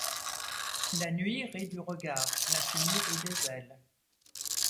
La nuit rit du regard, l’infini rit des ailes.